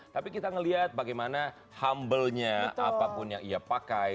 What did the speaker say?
tapi kita melihat bagaimana humble nya apapun yang ia pakai